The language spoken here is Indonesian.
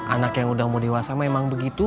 anak yang udah mau dewasa memang begitu